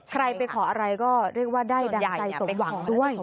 ใครไปขออะไรก็เรียกว่าได้ดังใจสมหวังด้วย